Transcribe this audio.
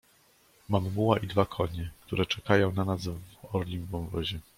"Mam muła i dwa konie, które czekają na nas w Orlim Wąwozie."